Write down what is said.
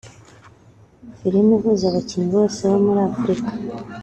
filime ihuza abakinnyi bose bo muri Afurika